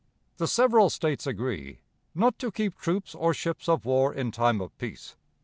"The several States agree 'not to keep troops or ships of war in time of peace.'